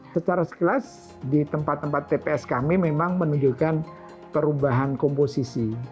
secara sekilas di tempat tempat tps kami memang menunjukkan perubahan komposisi